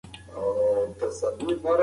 انټرنيټ د پوهې یو نه خلاصېدونکی سمندر دی.